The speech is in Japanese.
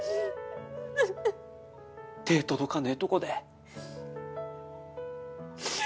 手ぇ届かねえとこで。